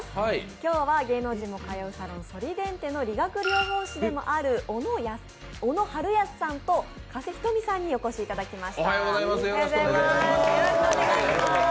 今日は芸能人も通うサロンソリデンテの理学療法士でもある小野晴康さんと加瀬瞳さんにお越しいただきました。